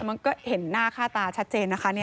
มันก็เห็นหน้าค่าตาชัดเจนนะคะ